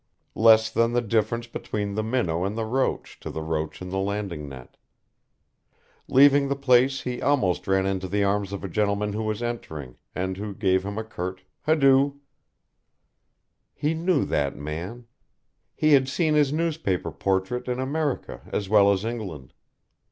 Less than the difference between the minnow and the roach to the roach in the landing net. Leaving the place he almost ran into the arms of a gentleman who was entering, and who gave him a curt "H'do." He knew that man. He had seen his newspaper portrait in America as well as England.